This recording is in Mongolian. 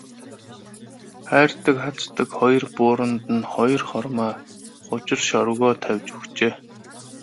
Хайрдаг хаздаг хоёр бууранд нь хоёр хормой хужир шорвогоо тавьж өгчээ.